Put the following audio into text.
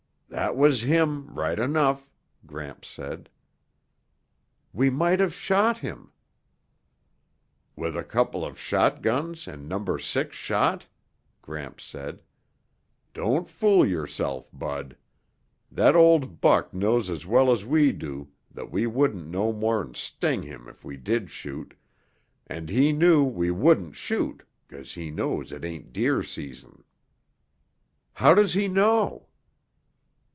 "That was him right enough!" Gramps said. "We might have shot him." "With a couple of shotguns and number six shot?" Gramps said. "Don't fool yourself, Bud. That old buck knows as well as we do that we wouldn't no more'n sting him if we did shoot, and he knew we wouldn't shoot 'cause he knows it ain't deer season." "How does he know?"